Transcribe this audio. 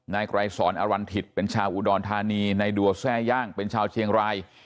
นายไกรสอนอรันถิตเป็นชาวอุดรธานีนายดัวแทร่ย่างเป็นชาวเชียงราย